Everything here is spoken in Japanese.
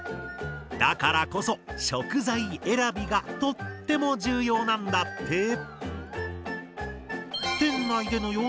だからこそ食材選びがとっても重要なんだって。